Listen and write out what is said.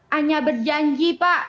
hanya berjanji pak